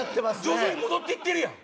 徐々に戻っていってるやん！